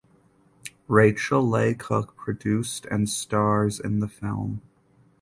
Rachael Leigh Cook produced and stars in the film.